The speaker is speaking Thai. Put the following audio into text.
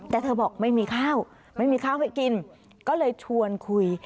แต่เธอบอกไม่มีข้าวไม่มีข้าวให้กินก็เลยชวนคุย